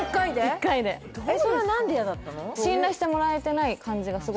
１回でそれは何で嫌だったの？